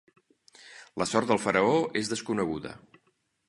La sort del faraó és desconeguda.